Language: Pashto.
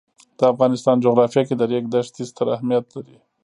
د افغانستان جغرافیه کې د ریګ دښتې ستر اهمیت لري.